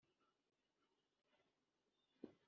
nyamara n’ubwo bimeze bityo